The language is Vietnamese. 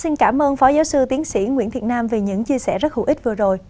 xin cảm ơn phó giáo sư tiến sĩ nguyễn thiện nam về những chia sẻ rất hữu ích vừa rồi